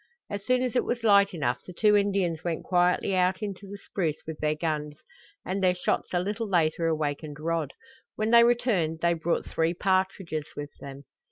As soon as it was light enough the two Indians went quietly out into the spruce with their guns, and their shots a little later awakened Rod. When they returned they brought three partridges with them.